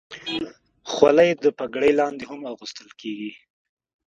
خولۍ د پګړۍ لاندې هم اغوستل کېږي.